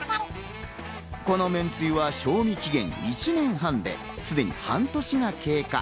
このめんつゆは賞味期限１年半ですでに半年が経過。